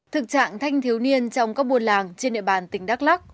thực trạng thanh thiếu niên trong các buôn làng trên địa bàn tỉnh đắk lắc